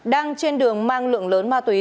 đang trên đường mang lượng lớn ma túy